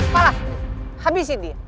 pala habisi dia